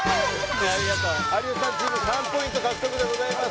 ありがとうやった有吉さんチーム３ポイント獲得でございます